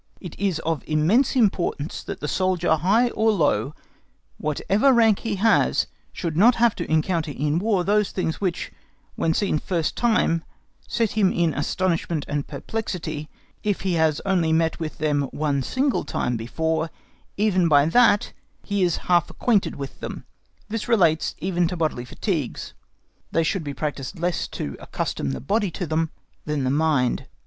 It is of immense importance that the soldier, high or low, whatever rank he has, should not have to encounter in War those things which, when seen for the first time, set him in astonishment and perplexity; if he has only met with them one single time before, even by that he is half acquainted with them. This relates even to bodily fatigues. They should be practised less to accustom the body to them than the mind.